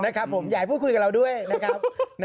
นะครับผมอยากพูดคุยกับเราด้วยนะครับ